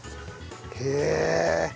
へえ！